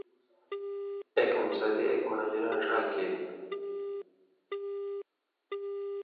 اک انصاری اک مھاجراں ڙھا کیریۡ۔